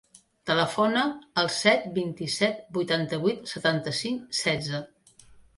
Telefona al set, vint-i-set, vuitanta-vuit, setanta-cinc, setze.